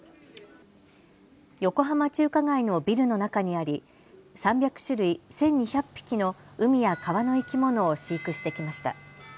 横浜中華街のビルの中にあり３００種類、１２００匹の海や川の生き物を飼育してきました。